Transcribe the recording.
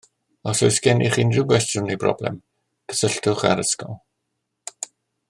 Os oes genych unrhyw gwestiwn neu broblem, cysylltwch â'r ysgol.